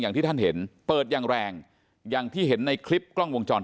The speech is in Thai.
อย่างที่ท่านเห็นเปิดอย่างแรงอย่างที่เห็นในคลิปกล้องวงจร